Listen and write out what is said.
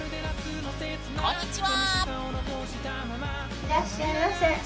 こんにちは！